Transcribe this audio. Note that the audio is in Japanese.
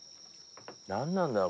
なんなんだろう？